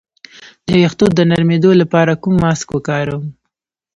د ویښتو د نرمیدو لپاره کوم ماسک وکاروم؟